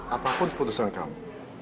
apapun keputusan kamu